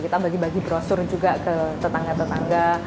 kita bagi bagi brosur juga ke tetangga tetangga